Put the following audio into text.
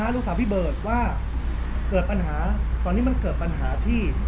ลูกสาวพี่เบิร์ตว่าเกิดปัญหาตอนนี้มันเกิดปัญหาที่